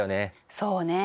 そうね。